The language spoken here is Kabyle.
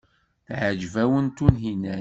Teɛjeb-awen Tunhinan, naɣ?